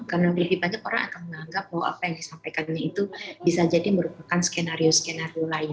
karena lebih banyak orang akan menganggap bahwa apa yang disampaikannya itu bisa jadi merupakan skenario skenario lain